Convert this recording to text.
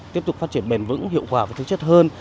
tiếp tục phát triển bền vững hiệu quả và thực chất hơn